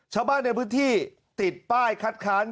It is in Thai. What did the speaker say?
ชาวบ้านในพื้นที่ติดป้ายคัดค้าน